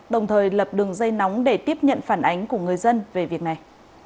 đồng thời lập đường dây nóng để tiếp nhận phản ánh của người dân về việc này